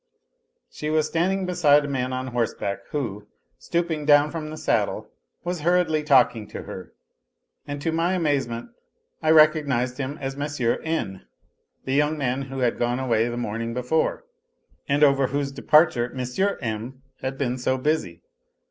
She was standing beside a man on horseback who, stooping down from the saddle, was hurriedly talking to her, and to my amazement I recognized him as N., the young man who had gone away the morning before and over whose departure M. M. had been so busy.